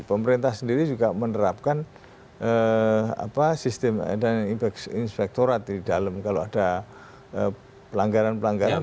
pemerintah sendiri juga menerapkan sistem inspektorat di dalam kalau ada pelanggaran pelanggaran